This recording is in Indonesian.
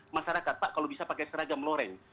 masyarakat pak kalau bisa pakai seragam loreng